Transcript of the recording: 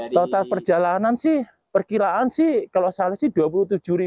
total perjalanan sih perkiraan sih kalau saya lihat sih dua puluh tujuh lima ratus